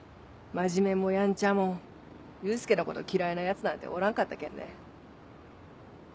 真面目もヤンチャも祐介のこと嫌いなヤツなんておらんかったけんね。